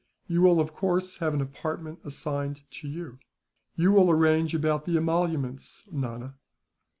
You will, of course, have an apartment assigned to you. "You will arrange about the emoluments, Nana."